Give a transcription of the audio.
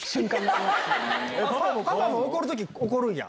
パパも怒る時怒るんや。